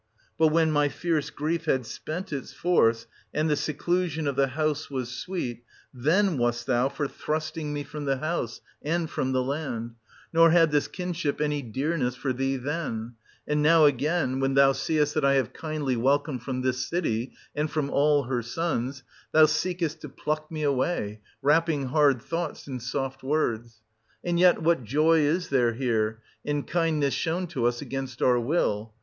But when my fierce grief had spent its force, and the seclusion of the house was sweet, then wast thou for thrusting me from the house and from 770 the land — nor had this kinship any dearness for thee then : and now, again — when thou seest that I have kindly welcome from this city and from all her sons, thou seekest to pluck me away, wrapping hard thoughts in soft words. And yet what joy is there here, — in kindness shown to us against our will?